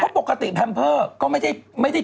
พรุ่งปกติแพมเพอร์ก็ไม่ได้ถูก